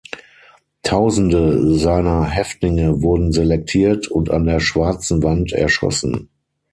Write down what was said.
Tausende seiner Häftlinge wurden selektiert und an der Schwarzen Wand erschossen.